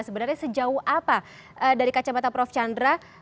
sebenarnya sejauh apa dari kacamata prof chandra